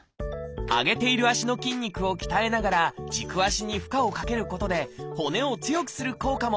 上げている足の筋肉を鍛えながら軸足に負荷をかけることで骨を強くする効果も。